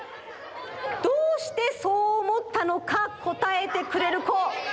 どうしてそうおもったのかこたえてくれるこ。